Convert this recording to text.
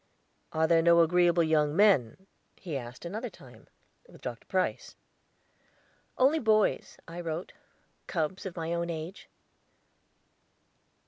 "Are there no agreeable young men," he asked another time, "with Dr. Price?" "Only boys," I wrote "cubs of my own age."